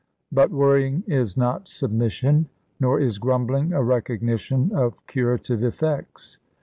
But worrying is not submission, nor is grumbling a recognition of curative effects.